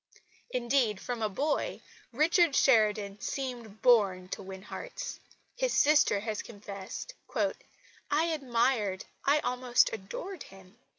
Indeed, from a boy, Richard Sheridan seemed born to win hearts. His sister has confessed: "I admired I almost adored him.